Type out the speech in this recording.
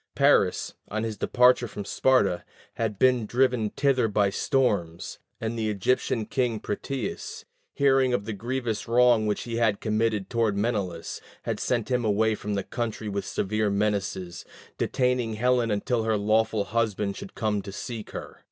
Paris, on his departure from Sparta, had been driven thither by storms, and the Egyptian king Proteus, hearing of the grievous wrong which he had committed toward Menelaus, had sent him away from the country with severe menaces, detaining Helen until her lawful husband should come to seek her.